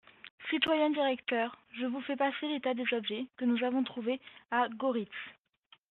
Citoyens directeurs, Je vous fais passer l'état des objets que nous avons trouvés à Goritz.